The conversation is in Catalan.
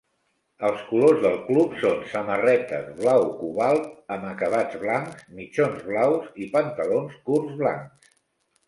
Els colors del club són samarretes blau cobalt amb acabats blancs, mitjons blaus i pantalons curts blancs.